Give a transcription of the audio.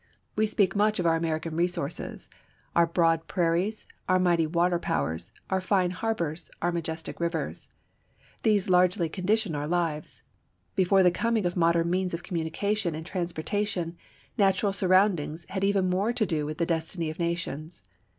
We speak much of our American resources: our broad prairies, our mighty water powers, our fine harbors, our majestic rivers. These largely condition our lives. Before the coming of modern means of communication and transportation, natural surroundings had even more to do with the destiny of nations.